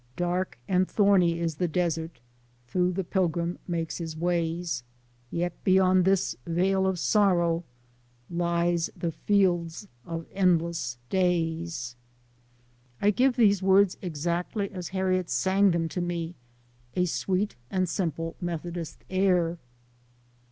Dark and thorny is de desert, Through de pilgrim makes his ways, Yet beyon' dis vale of sorrow, Lies de fiel's of endless days. I give these words exactly as Harriet sang them to me to a sweet and simple Methodist air.